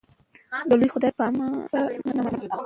د لوی خدای په نامه